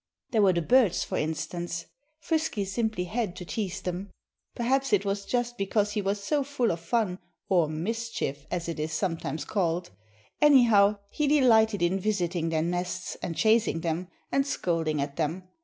There were the birds, for instance. Frisky simply had to tease them. Perhaps it was just because he was so full of fun or mischief, as it is sometimes called. Anyhow, he delighted in visiting their nests; and chasing them; and scolding at them.